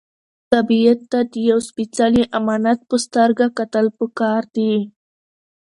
طبیعت ته د یو سپېڅلي امانت په سترګه کتل پکار دي.